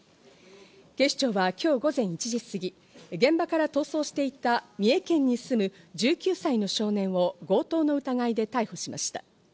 警視庁は今日午前１時過ぎ、現場から逃走していた三重県に住む１９歳の少年を強盗の疑いで逮捕しました。